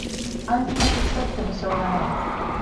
暗記だけ競ってもしょうがない